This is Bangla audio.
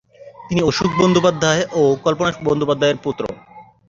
তিনি অশোক বন্দ্যোপাধ্যায় ও কল্পনা বন্দ্যোপাধ্যায়ের পুত্র।